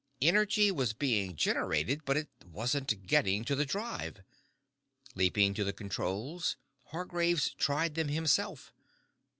Energy was being generated but it wasn't getting to the drive. Leaping to the controls, Hargraves tried them himself.